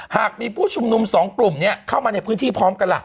หากมีผู้ชุมนุมสองกลุ่มเข้ามาในพื้นที่พร้อมกันล่ะ